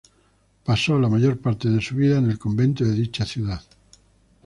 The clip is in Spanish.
Pasó la mayor parte de su vida en el convento de dicha ciudad.